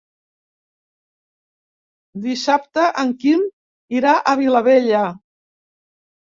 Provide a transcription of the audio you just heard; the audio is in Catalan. Dissabte en Quim irà a Vilabella.